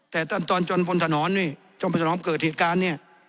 แต่ตอนจนพลถนนจงพลถนนอบเกิดเหตุการณ์